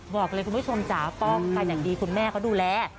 บอกเลยคุณผู้ชมจ้าว่าก็การอย่างดีคุณแม่ก็ดูแล